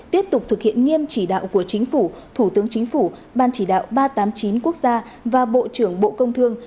tiếp tục thực hiện nghiêm chỉ đạo của chính phủ thủ tướng chính phủ ban chỉ đạo ba trăm tám mươi chín quốc gia và bộ trưởng bộ công thương